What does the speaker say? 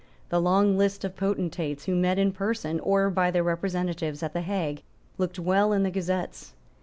The long list of potentates, who met in person or by their representatives at the Hague, looked well in the Gazettes.